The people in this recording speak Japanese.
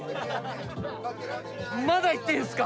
まだいっていいんすか？